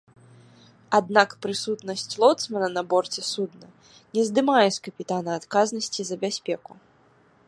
Аднак прысутнасць лоцмана на борце судна не здымае з капітана адказнасці за бяспеку.